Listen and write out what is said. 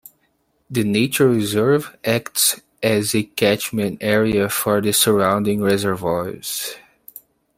The nature reserve acts as a catchment area for the surrounding reservoirs.